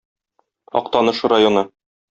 Актаныш районы